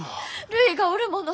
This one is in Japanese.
るいがおるもの。